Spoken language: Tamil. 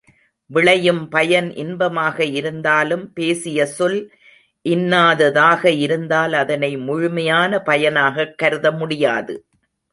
விளையும் பயன் இன்பமாக இருந்தாலும் பேசிய சொல் இன்னாததாக இருந்தால் அதனை முழுமையான பயனாகக் கருத முடியாது.